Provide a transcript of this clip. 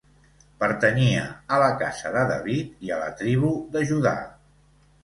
Pertanyia a la Casa de David i a la Tribu de Judà.